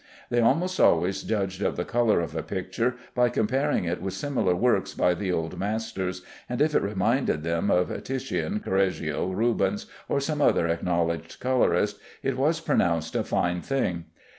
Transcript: They almost always judged of the color of a picture by comparing it with similar works by the old masters, and if it reminded them of Titian, Correggio, Rubens, or some other acknowledged colorist, it was pronounced a fine thing.